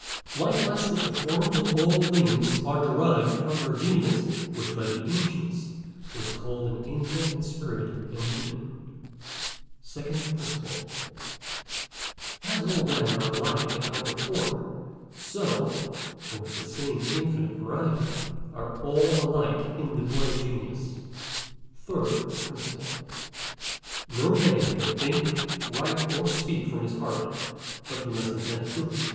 Likewise, that the forms of all things are derived from their Genius, which x by the Ancients was call'd an Angel and Spirit and Demon. PRINCIPLE SECOND. As all men are alike in outward form, so (and with the same infinite variety) all are alike in the Poetic Genius. PRINCIPLE THIRD. No man con think, write or speak from his heart, but he must , intend truth.